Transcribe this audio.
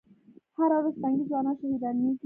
هره ورځ تنکي ځوانان شهیدانېږي